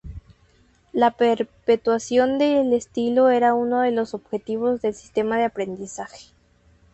La perpetuación del estilo era uno de los objetivos del sistema de aprendizaje.